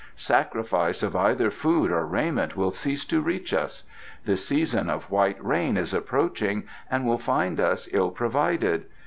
Sacrifice of either food or raiment will cease to reach us. The Season of White Rain is approaching and will find us ill provided.